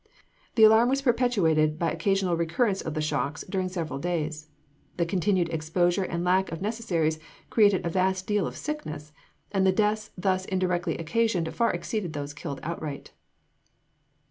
The alarm was perpetuated by occasional recurrence of the shocks during several days. The continued exposure and lack of necessaries created a vast deal of sickness; and the deaths thus indirectly occasioned far exceeded those killed outright.